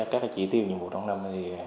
các chỉ tiêu nhiệm vụ trong năm